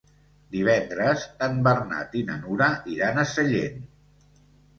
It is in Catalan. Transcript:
Divendres en Bernat i na Nura iran a Sellent.